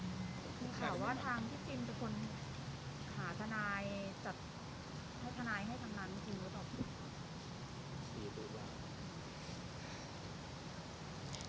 ให้ทนายให้ทำนานพี่จินแล้วตก